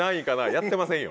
やってませんよ。